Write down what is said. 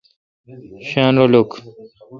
شاین رل اوک۔